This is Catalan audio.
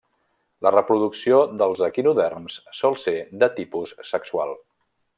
La reproducció dels equinoderms sol ser de tipus sexual.